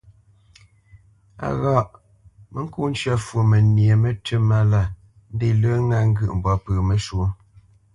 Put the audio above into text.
A ghâʼ : mə ŋko ncə mbə məcyə̌ mətʉ́ mála ndé lə ŋa ŋgyə̂ʼ mbwâ ŋo məshwɔ́.